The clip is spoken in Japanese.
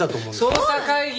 捜査会議！